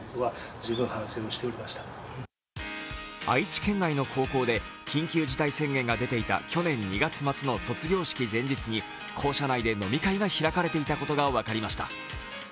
愛知県内の高校で緊急事態宣言が出ていた去年２月末の卒業式前日に校舎内で飲み会が開かれていたことが分かりました。